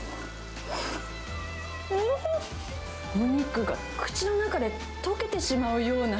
お肉が口の中で溶けてしまうような。